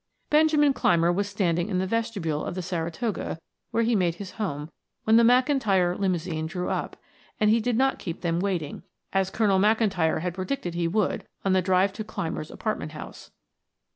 Benjamin Clymer was standing in the vestibule of the Saratoga, where he made his home, when the McIntyre limousine drew up, and he did not keep them waiting, as Colonel McIntyre had predicted he would on the drive to Clymer's apartment house.